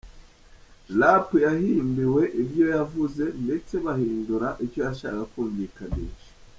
Rapp yahimbiwe ibyo yavuze ndetse bahindura icyo yashakaga kumvikanisha.